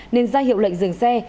nên ra hiệu lệnh dừng xe